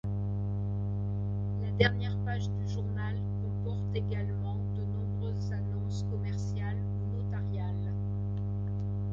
La dernière page du journal comporte également de nombreuses annonces commerciales ou notariales.